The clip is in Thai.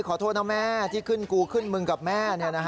ขอโทษนะแม่ที่ขึ้นกูขึ้นมึงกับแม่